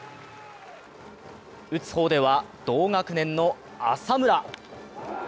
打つ方では同学年の浅村。